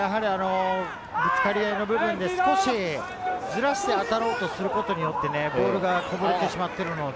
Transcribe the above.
ぶつかり合いの部分で少しずらして当たろうとすることによって、ボールがこぼれてしまってるので。